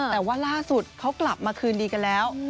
แต่ว่าล่าสุดเขากลับมาคืนดีกันแล้ว